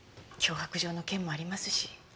脅迫状の件もありますし。